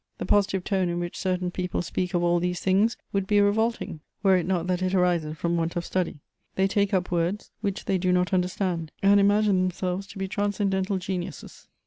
The positive tone in which certain people speak of all these things would be revolting, were it not that it arises from want of study; they take up words which they do not understand, and imagine themselves to be transcendental geniuses.